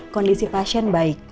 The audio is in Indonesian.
kondisi pasien baik